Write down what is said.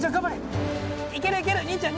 いけるいける兄ちゃん！